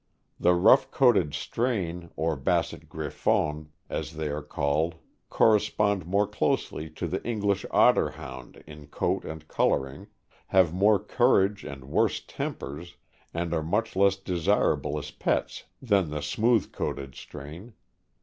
The rough coated strain, or Basset Grifon, as they are called, correspond more closely to the English Otter hound in coat and coloring, have more courage and worse tempers, and are much less desirable as pets than the smooth coated strain.